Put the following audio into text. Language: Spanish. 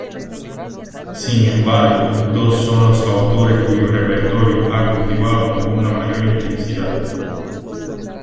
Sin embargo, dos son los autores cuyo repertorio ha cultivado con una mayor intensidad.